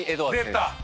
出た！